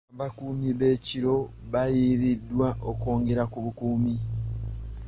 Abakuumi b'ekiro baayiiriddwa okwongera ku bukuumi.